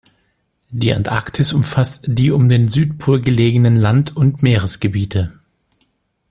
Die Antarktis umfasst die um den Südpol gelegenen Land- und Meeresgebiete.